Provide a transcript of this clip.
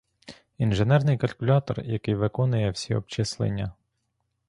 інженерний калькулятор який виконує всі обчислення